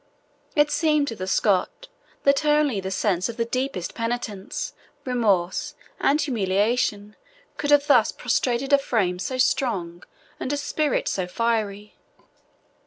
It seemed to the Scot that only the sense of the deepest penitence, remorse, and humiliation could have thus prostrated a frame so strong and a spirit so fiery.